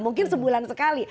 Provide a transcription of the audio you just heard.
mungkin sebulan sekali